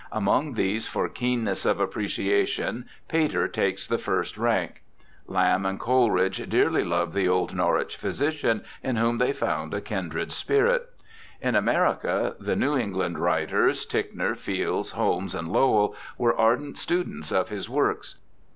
Among these for keenness of appreciation Pater takes the first rank. Lamb and Coleridge dearly loved the old Norwich physician, in whom they found a kindred spirit. In America the New England writers, Ticknor, Fields, Holmes, and Lowell, were ardent students of his works.